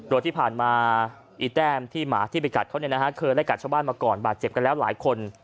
โดยที่ผ่านมาอีแต้มที่หมาที่ไปกัดเขาเคยไล่กัดชาวบ้านมาก่อนบาดเจ็บกันแล้วหลายคน